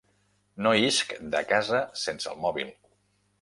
No isc de casa sense el mòbil.